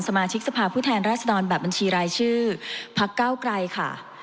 สมาชิกสภาพผู้แทนราชดรแบบบัญชีรายชื่อพักเก้าไกลค่ะ